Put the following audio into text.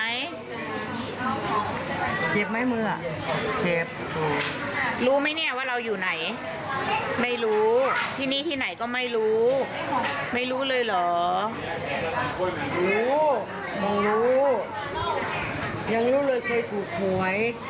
ยังรู้คนไทยถูกผวย